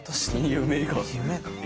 夢が？